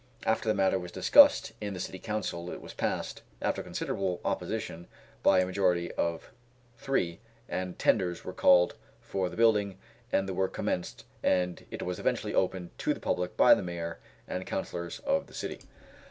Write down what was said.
After the matter was discussed in the City Council it was passed, after considerable opposition, by a majority of three, and tenders were called for the building, and the work commenced, and it was eventually opened to the public by the Mayor and Councillors of the city.